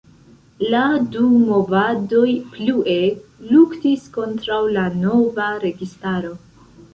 La du movadoj plue luktis kontraŭ la nova registaro.